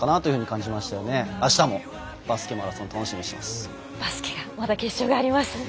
バスケがまだ決勝があります。